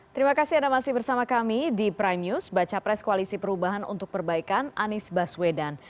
terima kasih anda masih bersama kami di prime news baca pres koalisi perubahan untuk perbaikan anies baswedan